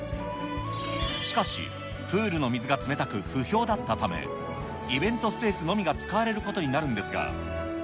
しかし、プールの水が冷たく不評だったため、イベントスペースのみが使われることになるんですが。